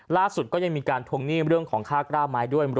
รักสุดก็ยังมีการทงหนี้บริเวณของค่ากร้าวไม้ด้วย